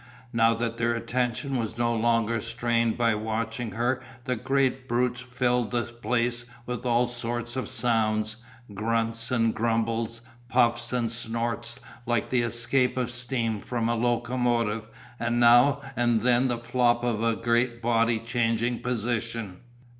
Now that their attention was no longer strained by watching her the great brutes filled the place with all sorts of sounds, grunts and grumbles, puffs and snorts like the escape of steam from a locomotive and now and then the flop of a great body changing position.